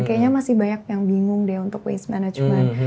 kayaknya masih banyak yang bingung deh untuk waste management